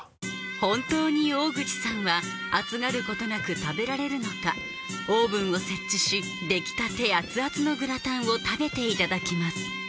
本当に大口さんは熱がることなく食べられるのかオーブンを設置しできたて熱々のグラタンを食べていただきます